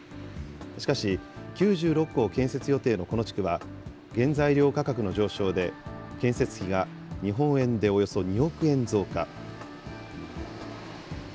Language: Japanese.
しかし、９６戸を建設予定のこの地区は、原材料価格の上昇で、建設費が日本円でおよそ２億円増加。